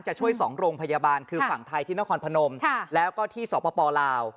จะช่วย๒โรงพยาบาลคือฝั่งไทยที่นครพนมแล้วก็ที่สปลาว